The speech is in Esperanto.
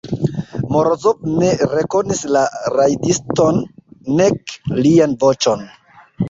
Morozov ne rekonis la rajdiston, nek lian voĉon.